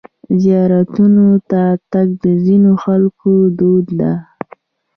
زیارتونو ته تګ د ځینو خلکو دود دی.